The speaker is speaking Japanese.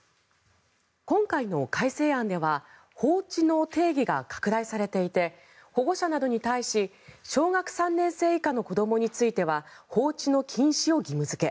今回の改正案では放置の定義が拡大されていて保護者などに対し小学３年生以下の子どもについては放置の禁止を義務付け。